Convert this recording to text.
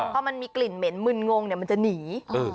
พอมันมีกลิ่นเหม็นมึนงงมันจะหนี